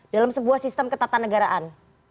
dalam sebuah sistem ketatanegaraan